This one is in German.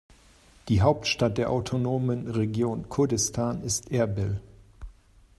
Die Hauptstadt der autonomen Region Kurdistan ist Erbil.